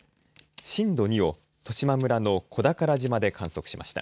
震度２を十島村の小宝島で観測しました。